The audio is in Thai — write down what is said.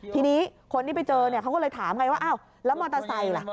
ทีนี้คนที่ไปเจอเนี่ยเขาก็เลยถามไงว่าอ้าวแล้วมอเตอร์ไซค์ล่ะ